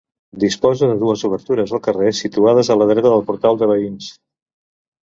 Disposa de dues obertures al carrer situades a la dreta del portal de veïns.